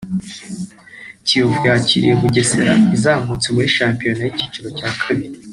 Kiyovu yakire Bugesera izamutse muri shampiyona y’icyiciro cya kabiri